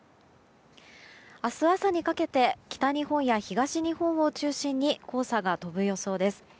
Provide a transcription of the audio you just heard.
明日朝にかけて北日本や東日本を中心に黄砂が飛ぶ予想です。